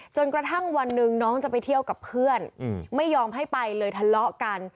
จนกระทั่งวันหนึ่งน้องจะไปเที่ยวกับเพื่อนไม่ยอมให้ไปเลยทะเลาะกัน